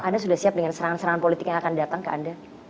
anda sudah siap dengan serangan serangan politik yang akan datang ke anda